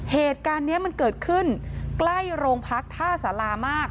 เหตุการณ์นี้มันเกิดขึ้นใกล้โรงพักท่าสารามาก